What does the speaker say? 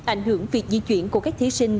ảnh hưởng việc di chuyển của các thí sinh